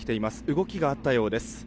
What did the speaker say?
動きがあったようです。